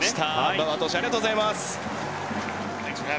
バウアー投手ありがとうございます。